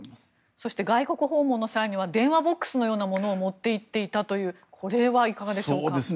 そして、外国訪問の際には電話ボックスのようなものを持っていっていたというこれはいかがでしょうか。